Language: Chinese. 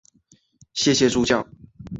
谢谢助教